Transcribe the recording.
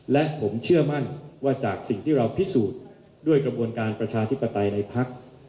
และผมเชื่อมั่นว่าจากสิ่งที่เราพิสูจน์ด้วยกระบวนการประชาธิปไตยในพัก